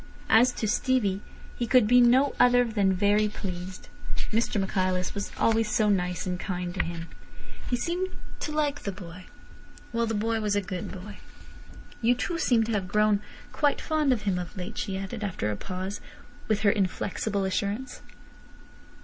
As to Stevie, he could be no other than very pleased. Mr Michaelis was always so nice and kind to him. He seemed to like the boy. Well, the boy was a good boy. "You too seem to have grown quite fond of him of late," she added, after a pause, with her inflexible assurance.